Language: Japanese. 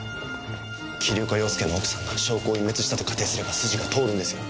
桐岡洋介の奥さんが証拠を隠滅したと仮定すれば筋が通るんですよ。